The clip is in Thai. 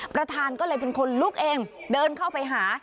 ประธานก็เลยเป็นคนลุกเองเดินเข้าไปหา